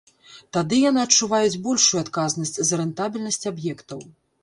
Тады яны адчуваюць большую адказнасць за рэнтабельнасць аб'ектаў.